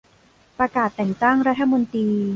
ประกาศแต่งตั้งรัฐมนตรี